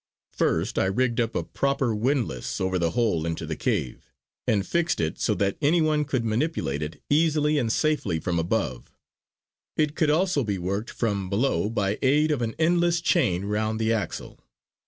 First I rigged up a proper windlass over the hole into the cave; and fixed it so that any one could manipulate it easily and safely from above. It could be also worked from below by aid of an endless chain round the axle.